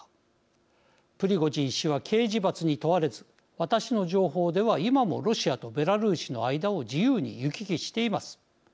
プリゴジン氏は刑事罰に問われず私の情報では今もロシアとベラルーシの間を自由に行き来しています。